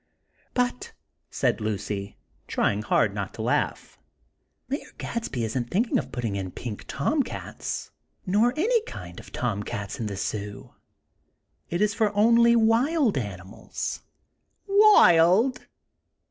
"But," said Lucy, trying hard not to laugh; "Mayor Gadsby isn't thinking of putting in pink tom cats, nor any kind of tom cats in this zoo. It is for only wild animals." "WILD!!